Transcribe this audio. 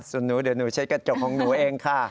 ส่วนหนูเดี๋ยวหนูใช้กระจกของหนูเองค่ะ